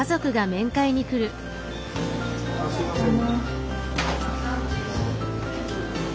あっすいません。